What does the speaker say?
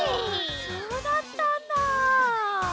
そうだったんだ。